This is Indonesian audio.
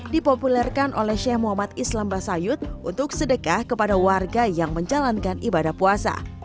dipopulerkan oleh sheikh muhammad islam basayut untuk sedekah kepada warga yang menjalankan ibadah puasa